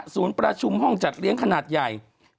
ประชุมห้องจัดเลี้ยงขนาดใหญ่